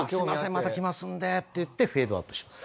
また来ますんでって言ってフェードアウトします。